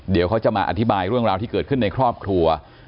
เดี๋ยวเขาจะมาอธิบายเรื่องราวที่เกิดขึ้นในครอบครัว